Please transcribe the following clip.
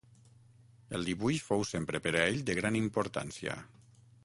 El dibuix fou sempre per a ell de gran importància.